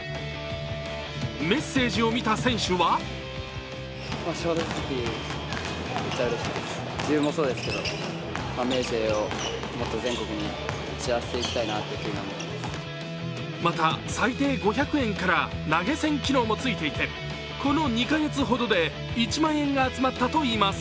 メッセージを見た選手はまた、最低５００円から投げ銭機能もついていて、この２か月ほどで１万円が集まったといいます。